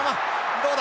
どうだ？